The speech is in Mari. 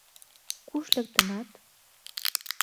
— Куш лектынат?